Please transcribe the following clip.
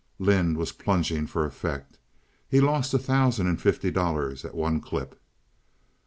Lynde was plunging for effect. He lost a thousand and fifty dollars at one clip.